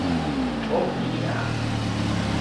o pini a!